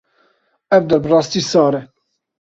Ev der bi rastî sar e.